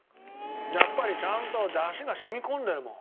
やっぱりちゃんと出汁が染み込んでるもん。